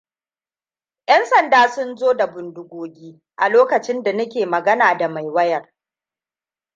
"Yan sanda sun zo da bindigogi, a lokacin da nike magana da mai wayan.